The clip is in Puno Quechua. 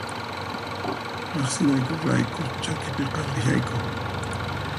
Riqsinayku rayku chakipiqa rishayku